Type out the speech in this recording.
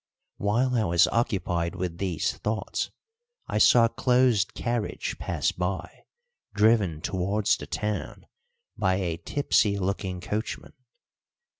While I was occupied with these thoughts I saw a closed carriage pass by, driven towards the town by a tipsy looking coachman.